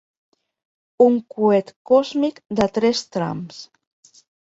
Un coet còsmic de tres trams.